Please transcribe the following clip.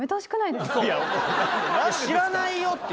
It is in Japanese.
「知らないよ」っていう。